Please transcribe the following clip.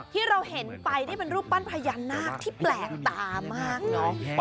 ที่เราเห็นไปนี่เป็นรูปปั้นพญานาคที่แปลกตามากเนอะ